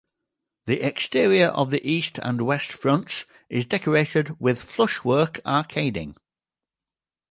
The exterior of the east and west fronts is decorated with flushwork arcading.